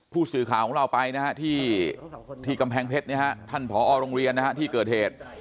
ผู้สื่อข่าวของเราไปนะฮะที่กำแพงเพชรท่านผอโรงเรียนที่เกิดเหตุ